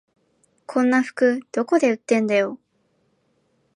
こんな服どこで売ってんだよ